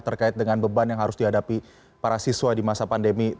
terkait dengan beban yang harus dihadapi para siswa di masa pandemi